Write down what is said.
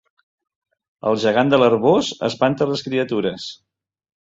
El gegant de l'Arboç espanta les criatures